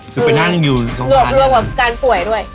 ใช่รวบรวมกับการป่วยด้วย